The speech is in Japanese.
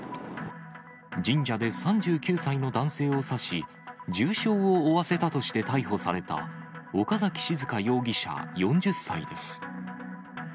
神社で３９歳の男性を刺し、重傷を負わせたとして逮捕された、岡崎静佳容疑者４０歳です。